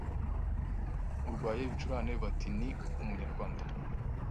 urwaye ibicurane bati ni Umunyarwanda,